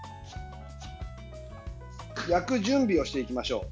焼く準備をしていきましょう。